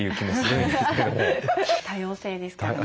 多様性ですからね。